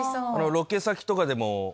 ロケ先とかでも。